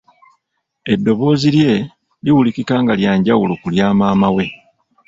Eddoboozi lye liwulikika nga lya njawulo ku lya maamawe.